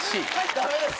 ダメです！